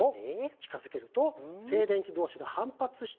近づけると静電気同士が反発して。